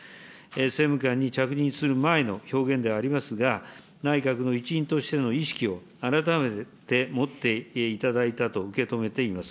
政務官に着任する前の表現ではありますが、内閣の一員としての意識を改めて持っていただいたと受け止めています。